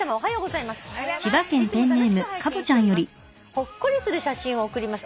「ほっこりする写真を送ります。